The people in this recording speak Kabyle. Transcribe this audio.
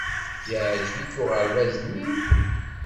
Yeɛjeb-ik uɣerbaz-nni?